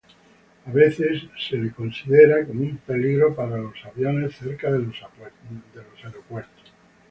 A veces es considerada como un peligro para los aviones cerca de los aeropuertos.